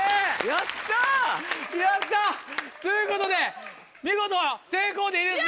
やった！ということで見事成功でいいですね？